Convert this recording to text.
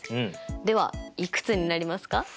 ではいくつになりますか？